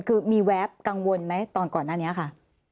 คือมีแวบกังวลไหมตอนก่อนหน้านี้ค่ะ